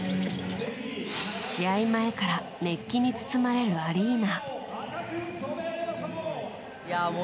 試合前から熱気に包まれるアリーナ。